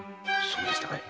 そうでしたかい。